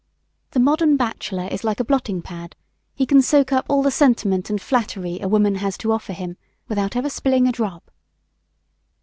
] BACHELORS THE modern bachelor is like a blotting pad; he can soak up all the sentiment and flattery a woman has to offer him, without ever spilling a drop.